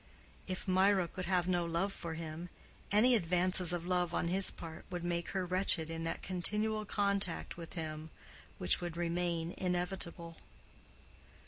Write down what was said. If Mirah could have no love for him, any advances of love on his part would make her wretched in that continual contact with him which would remain inevitable.